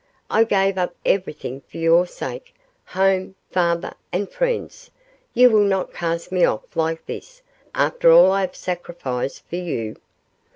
I gave up everything for your sake home, father, and friends you will not cast me off like this after all I have sacrificed for you?